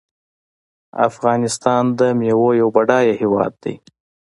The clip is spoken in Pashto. افغانستان د میوو یو بډایه هیواد دی.